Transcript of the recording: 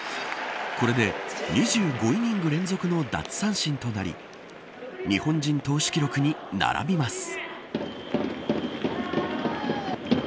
これで２５イニング連続の奪三振となり日本人投手記録に並びます。